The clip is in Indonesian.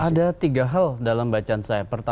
ada tiga hal dalam bacaan saya pertama itu gaya personal